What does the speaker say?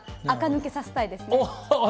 垢抜けさせたいです。